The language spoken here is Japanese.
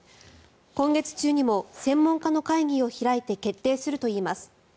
今月中にも専門家の会議を開いて決定するといいます。